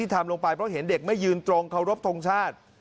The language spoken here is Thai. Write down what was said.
ทำลงไปเพราะเห็นเด็กไม่ยืนตรงเคารพทงชาติ